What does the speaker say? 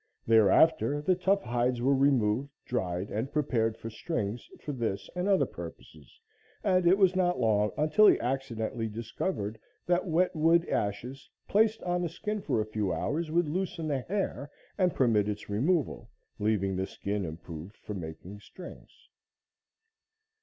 Thereafter the tough hides were removed, dried and prepared for strings for this and other purposes, and it was not long until he accidentally discovered that wet wood ashes placed on a skin for a few hours would loosen the hair and permit its removal, leaving the skin improved for making strings.